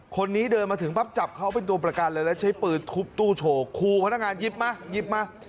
คนนี้เดินมาถึงปั๊บจับเขาเป็นตัวประกันเลยแล้วใช้ปืนทุบตู้โชว์ครูพนักงานหยิบมาหยิบมา